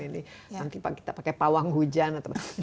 nanti kita pakai pawang hujan